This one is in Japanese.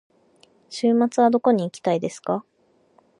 週末はどこに行きたいですか。